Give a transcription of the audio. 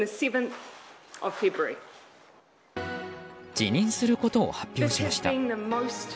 辞任することを発表しました。